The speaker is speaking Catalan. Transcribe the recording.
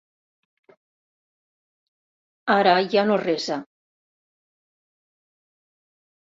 Ara ja no resa.